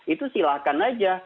itu silahkan aja